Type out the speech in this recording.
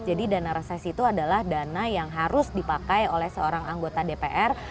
jadi dana reses itu adalah dana yang harus dipakai oleh seorang anggota dpr